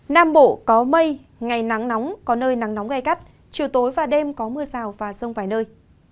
nam bộ có mây ngày nắng nóng có nơi nắng nóng gai gắt chiều tối và đêm có mưa rào và rông vài nơi